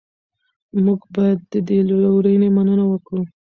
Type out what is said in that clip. موږ باید د دې لورینې مننه وکړو.